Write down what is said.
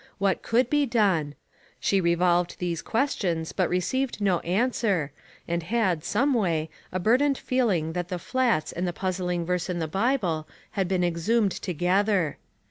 What could be done? She revolved these questions, but received no answer, and had, some way, a burdened feeling that the Flats and the puzzling verse in the Bible had been exhumed together.